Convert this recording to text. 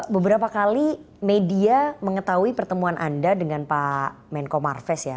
beberapa kali media mengetahui pertemuan anda dengan pak menko marves ya